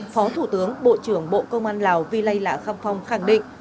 phó thủ tướng bộ trưởng bộ công an lào vi lây lạ kham phong khẳng định